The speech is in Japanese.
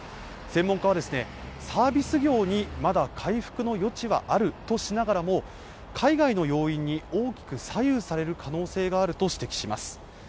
専門家はサービス業にまだ回復の余地はあるとしながらも海外の要因に大きく左右される可能性があると指摘します